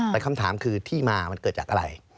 แต่คำถามคือที่มามันเกิดจากอะไร